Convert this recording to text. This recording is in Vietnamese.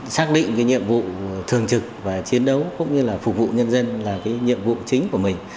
xác định cái nhiệm vụ thường trực và chiến đấu cũng như là phục vụ nhân dân là cái nhiệm vụ chính của mình